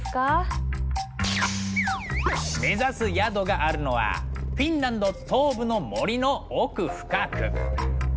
目指す宿があるのはフィンランド東部の森の奥深く。